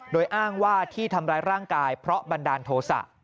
โดยอ้างว่าที่ทำร้ายร่างกายเพราะบันดาลโทษะ